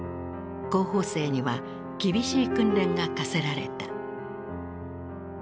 候補生には厳しい訓練が課せられた。